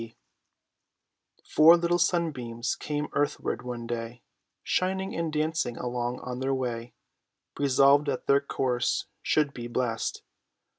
K. B. Four little sunbeams came earthward one day, Shining and dancing along on their way, Resolved that their course should be blest.